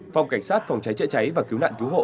phòng cảnh sát phòng cháy chữa cháy và cứu nạn cứu hộ